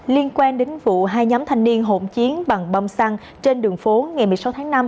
liên quan đến vụ hai nhóm thanh niên hộn chiến bằng bom xăng trên đường phố ngày một mươi sáu tháng năm